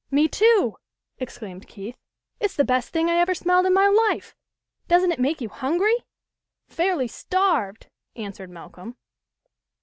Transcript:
" Me too !" exclaimed Keith. " It's the best thing I ever smelled in my life. Doesn't it make you hungry ?"" Fairly starved !" answered Malcolm.